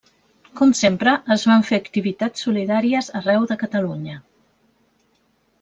Com sempre, es van fer activitats solidàries arreu de Catalunya.